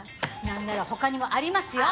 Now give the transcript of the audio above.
なんなら他にもありますよ！